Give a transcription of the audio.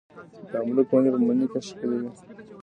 د املوک ونې په مني کې ښکلې وي.